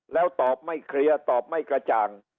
แล้วตอบไม่เคลียร์ตอบไม่กระจ่าง